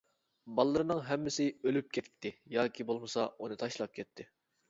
باللىرىنىڭ ھەممىسى ئۆلۈپ كەتتى ياكى بولمىسا ئۇنى تاشلاپ كەتتى.